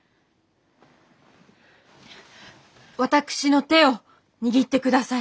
私の手を握って下さい。